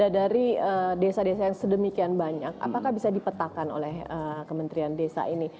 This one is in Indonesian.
dari desa desa yang sedemikian banyak apakah bisa dipetakan oleh kementerian desa ini